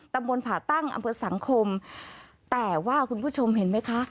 ตำบลผ่าตั้งอำเภอสังคมแต่ว่าคุณผู้ชมเห็นไหมคะ